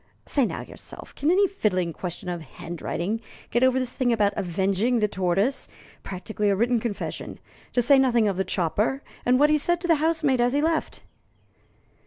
Say now yourself, can any fiddling question of handwriting get over this thing about 'avenging the tortoise' practically a written confession to say nothing of the chopper, and what he said to the housemaid as he left?"